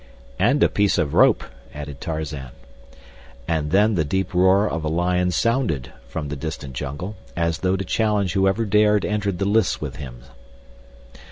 "And a piece of rope," added Tarzan. Just then the deep roar of a lion sounded from the distant jungle, as though to challenge whoever dared enter the lists with him.